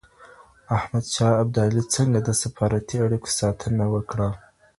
احمد شاه ابدالي څنګه د سفارتي اړیکو ساتنه وکړه؟